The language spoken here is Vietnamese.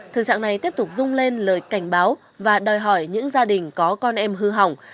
thực trạng này tiếp tục rung lên lời cảnh báo và đòi hỏi những gia đình có con em hư hỏng